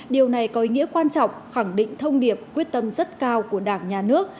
điều này có ý nghĩa quan trọng khẳng định thông điệp quyết tâm rất cao của đảng nhà nước